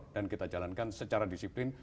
dan kita jalankan secara disiplin